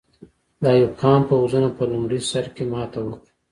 د ایوب خان پوځونو په لومړي سر کې ماته وکړه.